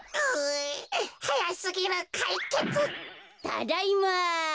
ただいま。